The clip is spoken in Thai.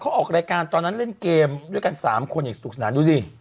เขาออกรายการตอนนั้นเล่นเกมด้วยกัน๓คนอย่างสนุกสนานดูดิ